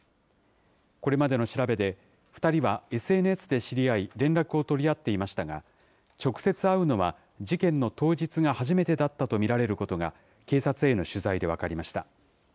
これまでの調べで、２人はＳＮＳで知り合い、連絡を取り合っていましたが、直接会うのは事件の当日が初めてだったと見られることが、警察への取材で分かりました。